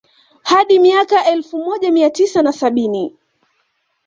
Hadi miaka ya elfu moja mia tisa na sabini